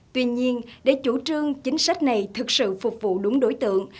tuy nhiên để chủ trương chính sách này thực sự phục vụ đúng đối tượng